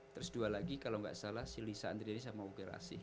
terus dua lagi kalau gak salah si lisa andriani sama uke rasyih